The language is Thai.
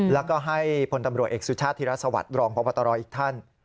แล้วก็ให้พลตำรวจเอกสุชาติธิรัฐสวัสดิ์รองพบตรอีกท่าน